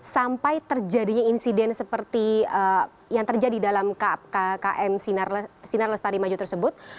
sampai terjadinya insiden seperti yang terjadi dalam km sinar lestari maju tersebut